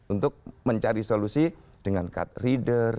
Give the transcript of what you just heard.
untuk mencari solusi dengan card reader